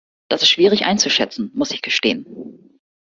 Das ist schwierig einzuschätzen, muss ich gestehen.